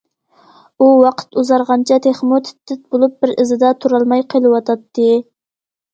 ئۇ ۋاقىت ئۇزارغانچە تېخىمۇ تىت تىت بولۇپ بىر ئىزىدا تۇرالماي قېلىۋاتاتتى.